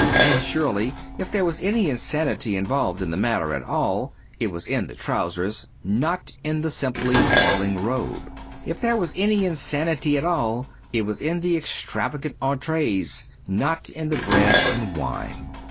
And surely if there was any insanity involved in the matter at all it was in the trousers, not in the simply falling robe. If there was any insanity at all, it was in the extravagant entrees, not in the bread and wine.